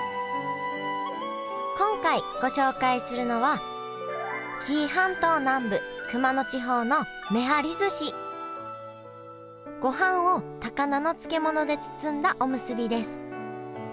今回ご紹介するのは紀伊半島南部ごはんを高菜の漬物で包んだおむすびです。